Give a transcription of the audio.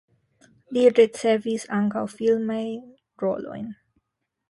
Li ricevis ankaŭ filmajn rolojn.